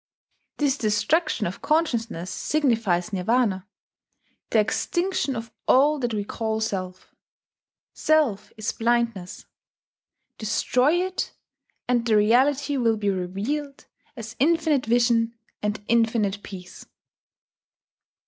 This destruction of consciousness signifies Nirvana, the extinction of all that we call Self. Self is blindness: destroy it, and the Reality will be revealed as infinite vision and infinite peace.